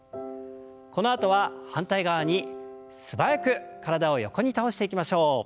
このあとは反対側に素早く体を横に倒していきましょう。